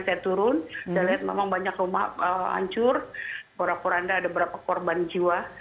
saya turun saya lihat memang banyak rumah hancur porak poranda ada berapa korban jiwa